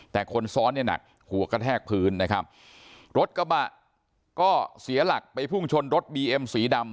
แต่คนซ้อนเนี่ยหนักหัวกระแทกพื้นนะครับรถกระบะก็เสียหลักไปพุ่งชนรถบีเอ็มสีดำ